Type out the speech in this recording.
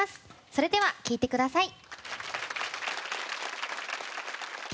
それでは聴いてください。